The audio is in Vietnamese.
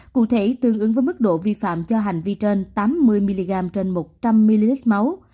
cụ thể tương ứng với mức độ vi phạm cho hành vi trên tám mươi mg trên một trăm linh ml máu